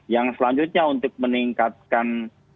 yang selanjutnya untuk meningkatkan